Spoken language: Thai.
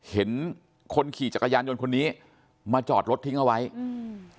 เห็นคนขี่จักรยานยนต์คนนี้มาจอดรถทิ้งเอาไว้อืม